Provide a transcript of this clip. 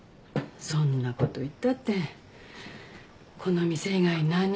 そんなこと言ったってこの店以外何にもないのにさ。